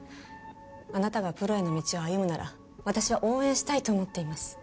あなたがプロへの道を歩むなら私は応援したいと思っています。